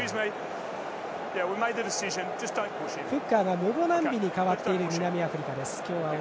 スコットランドはフッカーがムボナンビに代わっている南アフリカです。